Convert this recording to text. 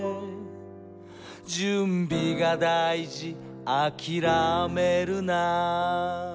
「準備がだいじあきらめるな」